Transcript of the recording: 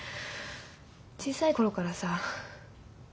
小さいころからさ。